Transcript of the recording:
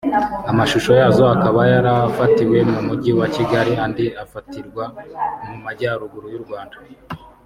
amshsusho yazo akaba yarafatiwe mu mugi wa Kigali andi abfatirwa mu majyaruguru y’u Rwanda